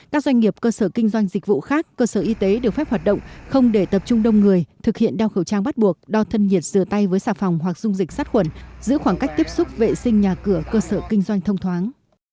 các doanh nghiệp cơ sở kinh doanh dịch vụ khác cơ sở y tế được phép hoạt động không để tập trung đông người thực hiện đeo khẩu trang bắt buộc đo thân nhiệt rửa tay với xà phòng hoặc dung dịch sát khuẩn giữ khoảng cách tiếp xúc vệ sinh nhà cửa cơ sở kinh doanh thông thoáng